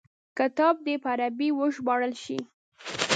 کتاب دي په عربي وژباړل شي.